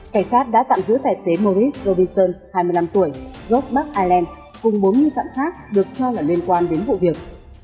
cảnh sát đã tạm giữ tài xế maurice rovinson hai mươi năm tuổi gốc bắc ireland cùng bốn nghi phạm khác được cho là liên quan đến vụ việc